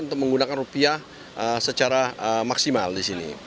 untuk menggunakan rupiah secara maksimal di sini